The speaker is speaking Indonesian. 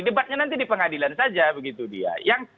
debatnya nanti di pengadilan saja begitu dia